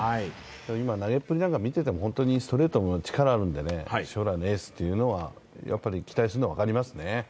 今、投げっぷりなんかも見ていてもストレートも力がありますので将来のエースというのは、やっぱり期待するの、分かりますね。